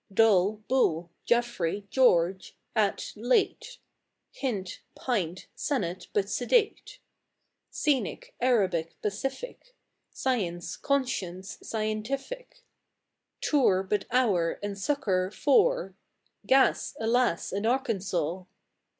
Dull, bull; Geoffrey, George; ate, late; Hint, pint; senate, but sedate; Scenic, Arabic, pacific; Science, conscience, scientific; Tour, but our, and succour, four; Gas, alas and Arkansas!